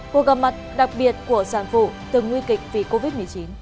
cuộc gặp mặt đặc biệt của sản phụ từng nguy kịch vì covid một mươi chín